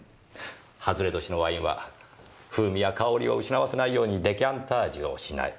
外れ年のワインは風味や香りを失わせないようにデカンタージュをしない。